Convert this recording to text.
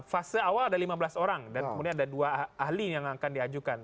fase awal ada lima belas orang dan kemudian ada dua ahli yang akan diajukan